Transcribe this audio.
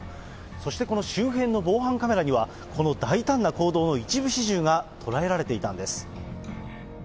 そしてこの周辺の防犯カメラには、この大胆な行動の一部始終が捉えられていたんです。